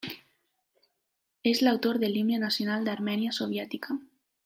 És l'autor de l'Himne nacional d'Armènia soviètica.